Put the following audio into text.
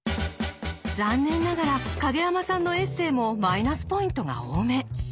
残念ながら影山さんのエッセーもマイナスポイントが多め。